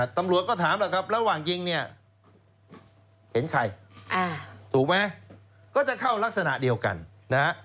ตำรวจก็ถามแล้วครับระหว่างยิงเนี่ยเห็นใครถูกไหมก็จะเข้ารักษณะเดียวกันนะฮะ